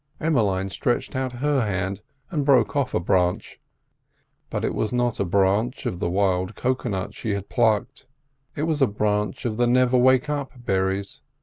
Emmeline stretched out her hand and broke off a branch; but it was not a branch of the wild cocoa nut she had plucked, it was a branch of the never wake up berries.